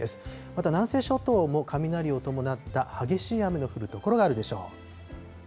また、南西諸島も雷を伴った激しい雨の降る所があるでしょう。